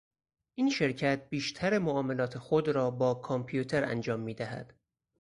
این شرکت بیشتر معاملات خود را با کامپیوتر انجام میدهد.